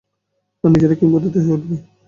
আর নিজেরাই কিংবদন্তী হয়ে উঠবে!